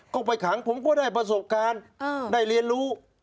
ก็ไปขังผมก็ได้ประสบการณ์ได้เรียนรู้